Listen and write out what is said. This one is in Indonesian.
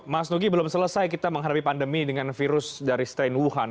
mas nugi belum selesai kita menghadapi pandemi dengan virus dari strain wuhan